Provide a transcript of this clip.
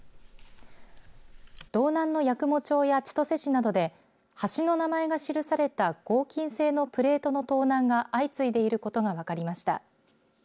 道南の八雲町や千歳市などで橋の名前が記された合金製のプレートの盗難が相次いでいることが分かりました。